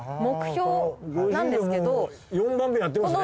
４番目やってますね。